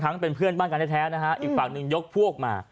เป็นเพื่อนบ้านกันแท้นะฮะอีกฝั่งหนึ่งยกพวกมา